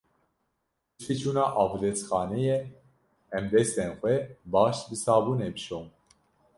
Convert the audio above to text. Piştî çûna avdestxaneyê, em destên xwe baş bi sabûnê bişon.